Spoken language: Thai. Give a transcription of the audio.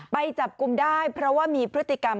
ไปจับกลุ่มได้เพราะว่ามีพฤติกรรม